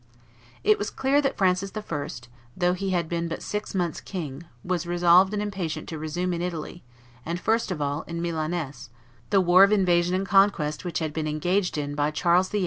It was clear that Francis I., though he had been but six months king, was resolved and impatient to resume in Italy, and first of all in Milaness, the war of invasion and conquest which had been engaged in by Charles VIII.